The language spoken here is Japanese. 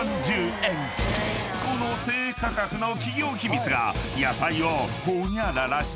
［この低価格の企業秘密が］